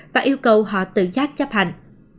và yêu cầu họ tự giác chấp hành